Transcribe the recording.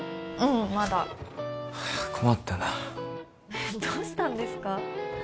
うんまだ困ったなえっどうしたんですか？